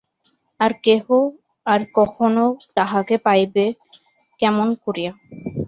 আর-কেহ আর-কখনো তাহাকে পাইবে কেমন করিয়া?